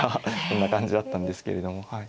そんな感じだったんですけれども。